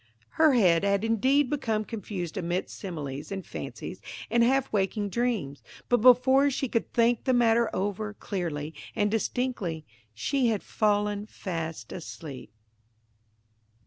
Her head had indeed become confused amidst similes, and fancies, and half waking dreams; but before she could think the matter over, clearly and distinctly, she had fallen fast asleep.